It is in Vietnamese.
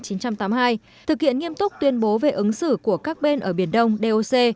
thực hiện nghiêm túc tuyên bố về ứng xử của các bên ở biển đông doc